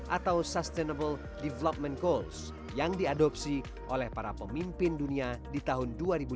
atau sustainable development goals yang diadopsi oleh para pemimpin dunia di tahun dua ribu dua puluh